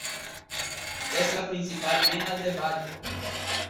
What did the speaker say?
Es la principal mena del bario.